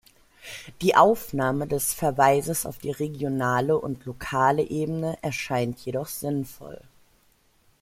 Die Aufnahme des Verweises auf die regionale und lokale Ebene erscheint jedoch sinnvoll.